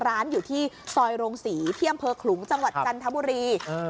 ร้านอยู่ที่ซอยโรงศรีที่อำเภอขลุงจังหวัดจันทบุรี